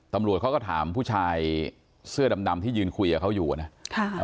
ตำรวจเขาก็ถามผู้ชายเสื้อดำที่ยืนคุยกับเขาอยู่นะ